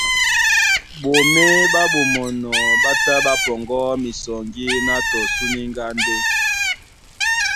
Ɓomé ɓá Ɓomɔnɔ ɓá tá ɓá pɔŋgɔ misɔŋgí ná tɔ sú íníŋgá ndé,